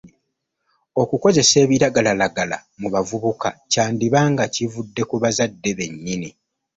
Okukozesa ebiragalalagala mu bavubuka kyandiba nga kivudde ku bazadde bennyini.